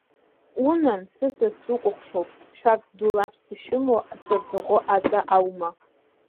Унан, сысас, сукәыхшоуп, шәарҭ дулаԥс ишәымоу ацәарҭаӷәы аҵа аума?